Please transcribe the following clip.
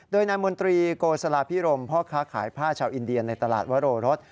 โดยนายมนตรีโกสลาพิรมพ่อค้าขายผ้าชาวอินเดียในตลาดวโรรส